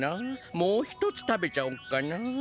もう一つ食べちゃおっかな。